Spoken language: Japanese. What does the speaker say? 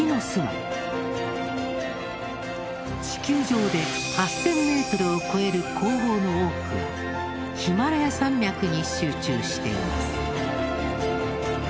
地球上で８０００メートルを超える高峰の多くはヒマラヤ山脈に集中しています。